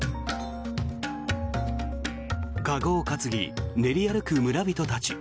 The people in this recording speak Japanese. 籠を担ぎ、練り歩く村人たち。